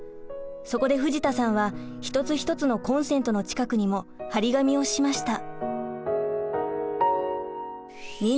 そこで藤田さんは一つ一つのコンセントの近くにも張り紙をしました。